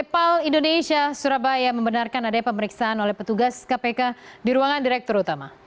pal indonesia surabaya membenarkan adanya pemeriksaan oleh petugas kpk di ruangan direktur utama